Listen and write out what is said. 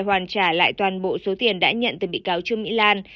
hoàn trả lại toàn bộ số tiền đã nhận từ bị cáo trương mỹ lan